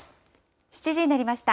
７時になりました。